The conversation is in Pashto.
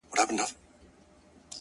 • نه مخ گوري د نړۍ د پاچاهانو,